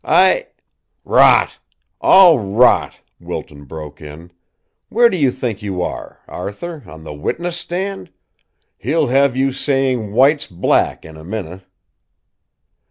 I " "Rot! All rot!" Wilton broke in. "Where do you think you are, Arthur, on the witness stand? He'll have you saying white's black in a minute."